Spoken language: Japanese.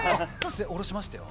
降ろしましたよ。